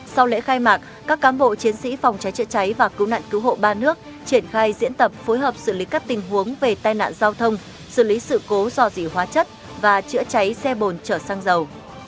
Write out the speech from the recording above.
sau lễ khai mạc các cán bộ chiến sĩ phòng cháy chữa cháy và cứu nạn cứu hộ ba nước triển khai diễn tập phối hợp xử lý các tình huống về tai nạn giao thông xử lý sự cố dò dỉ hóa chất và chữa cháy xe bồn chở xăng dầu